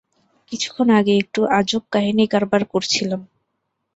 কিছুক্ষণ আগে একটু আজব কাহিনী কারবার করছিলাম।